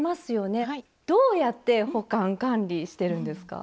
どうやって保管管理してるんですか？